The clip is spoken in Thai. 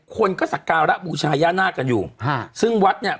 คนก็สักการะบูชาย่านาคกันอยู่ฮะซึ่งวัดเนี่ย